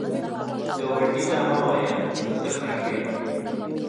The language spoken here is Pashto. ګاونډي ته مه وایه “زه تر تا ښه یم”